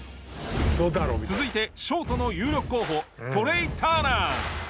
続いてショートの有力候補トレイ・ターナー。